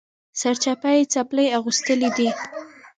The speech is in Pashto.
سرچپه یې څپلۍ اغوستلي دي